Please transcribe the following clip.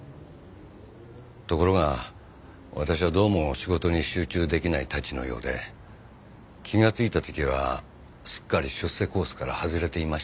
ところが私はどうも仕事に集中出来ないタチのようで気がついた時はすっかり出世コースから外れていました。